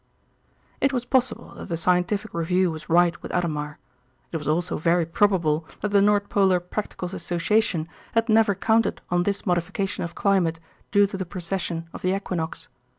It was possible that the Scientific Review was right with Adhemar. It was also very probable that the North Polar Practical Association had never counted on this modification of climate due to the precession of the equinox.